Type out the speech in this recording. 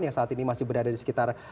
yang saat ini masih berada di sekitar